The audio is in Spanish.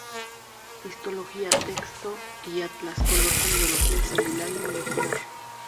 Histología, texto y atlas color con biología celular y molecular.